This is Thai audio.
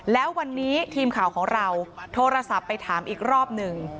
แล้ววันนี้ทีมข่าวของเราโทรศัพท์ไปถามอีกรอบหนึ่ง